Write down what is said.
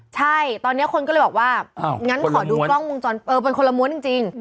ใช่ตอนนี้คนก็เลยบอกว่างั้นขอดูกล้องวงจรเออเป็นคนละม้วนจริง